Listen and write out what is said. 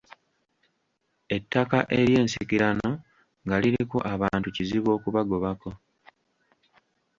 Ettaka eryensikirano nga liriko abantu kizibu okubagobako.